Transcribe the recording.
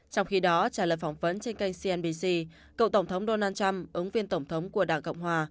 trong khi đó trả lời phỏng vấn trên kênh cnbc cậu tổng thống donald trump ứng viên tổng thống của đảng cộng hòa